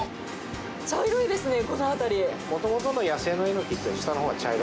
茶色いですね、この辺り。